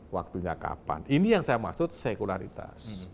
waktunya kapan ini yang saya maksud sekularitas